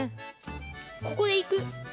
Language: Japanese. ここでいく。